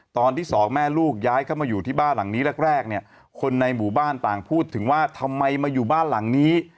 ตอนที่สองแม่ลูกย้ายเข้ามาอยู่ที่บ้านหลังนี้แรกเนี่ยคนในหมู่บ้านต่างพูดถึงว่าทำไมมาอยู่บ้านหลังนี้